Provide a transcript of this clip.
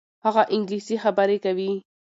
هغه انګلیسي خبرې کوي.